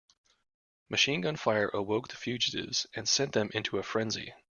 Machine gun fire awoke the fugitives and sent them into a frenzy.